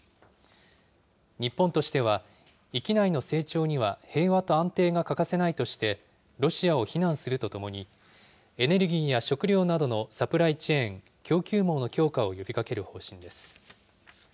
日本としては、域内の成長には平和と安定が欠かせないとしてロシアを非難するとともに、エネルギーや食料などのサプライチェーン・供給網の強化を呼びかける方針です。